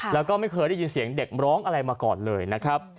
แล้วก็ไม่เคยได้ยินเสียงเด็กร้องอะไรมาก่อนเลยนะครับ